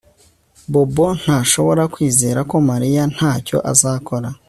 Bobo ntashobora kwizera ko Mariya ntacyo azakora